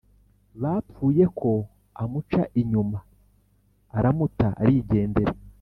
Bapfuyeko amuca inyuma aramuta arigendera